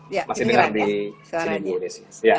masih dengar di sini bu desi